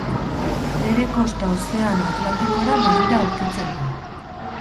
Bere kosta Ozeano Atlantikora begira aurkitzen du.